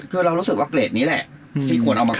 คือเรารู้สึกว่าเกรดนี้แหละที่ควรเอามาขาย